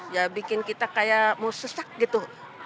ya bikin kita kayak mau sesak gitu